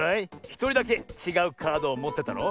ひとりだけちがうカードをもってたろ？